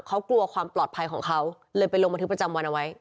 เขากลัวความปลอดภัยของเขาเลยไปลงบันทึกประจำวันเอาไว้